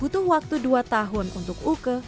butuh waktu dua tahun untuk uke